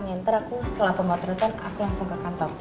nyenter aku setelah pemotretan aku langsung ke kantor